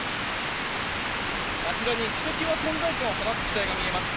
あちらにひときわ存在感を放つ機体が見えます。